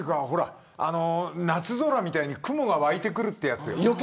夏空みたいに雲が湧いてくるってやつよ。